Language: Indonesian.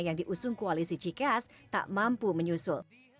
yang diusung koalisi cikeas tak mampu menyusul